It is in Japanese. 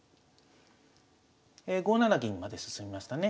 ５七銀まで進みましたね。